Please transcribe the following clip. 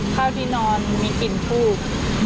ข้าวที่นอนมีกลิ่นทูบ